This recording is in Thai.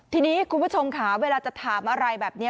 ทีนี้คุณผู้ชมค่ะเวลาจะถามอะไรแบบนี้